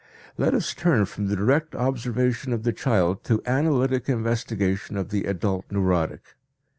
Let us turn from the direct observation of the child to analytic investigation of the adult neurotic.